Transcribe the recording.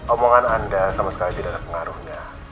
omongan anda sama sekali tidak ada pengaruhnya